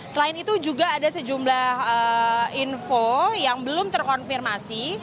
selain itu juga ada sejumlah info yang belum terkonfirmasi